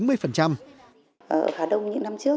ở hà đông những năm trước